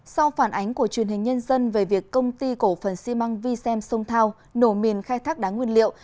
sau phản ánh của truyền hình nhân dân về việc công ty cổ phần xi măng vi xem sông thao nổ mìn khai thác đá nguyên liệu